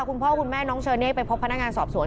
คุณพ่อคุณแม่น้องเชอเนกไปพบพนักงานสอบสวน